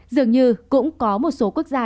dường như cũng có một số quốc gia